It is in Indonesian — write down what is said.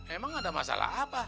emang ada masalah apa